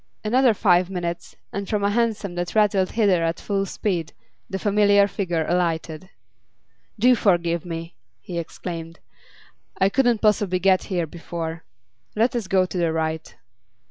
Another five minutes, and from a hansom that rattled hither at full speed, the familiar figure alighted. 'Do forgive me!' he exclaimed. 'I couldn't possibly get here before. Let us go to the right.